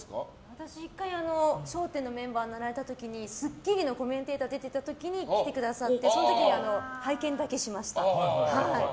私、１回「笑点」のメンバーになられた時に「スッキリ」のコメンテーター出てた時に来てくださってその時に拝見だけしました。